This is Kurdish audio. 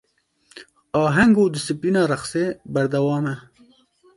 Aheng û disîplîna reqsê berdewam e.